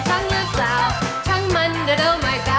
เจ๋งมากเจ๋งมาก